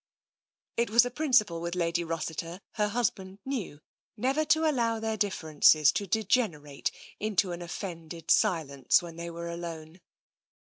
It was a prin ciple with Lady Rossiter, her husband knew, never to allow their differences to degenerate into an offended silence when they were alone.